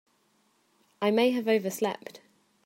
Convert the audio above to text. I may have overslept.